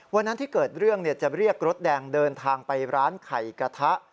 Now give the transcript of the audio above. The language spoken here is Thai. วันนั้นที่เกิดเรื่องจะเรียกรถแดงเดินทางไปร้านไข่กระทะ